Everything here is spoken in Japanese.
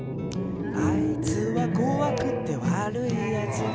「あいつはこわくて悪いやつ」